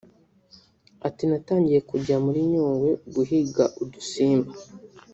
Ati“Natangiye kujya muri Nyugwe guhiga udusimba